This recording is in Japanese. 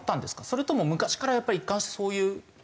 それとも昔からやっぱり一貫してそういう。